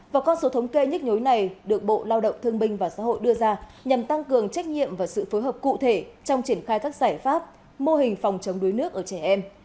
và con số thống kê nhức nhối này được bộ lao động thương binh và xã hội đưa ra nhằm tăng cường trách nhiệm và sự phối hợp cụ thể trong triển khai các giải pháp mô hình phòng chống đuối nước ở trẻ em